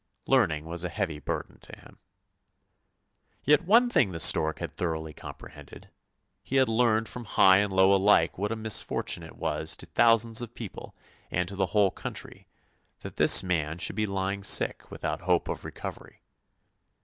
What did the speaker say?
Learning was a heavy burden to him. Yet one thing the stork had thoroughly comprehended; he had heard from high and low alike what a misfortune it was to thousands of people and to the whole country, that this man should be lying sick without hope of recovery.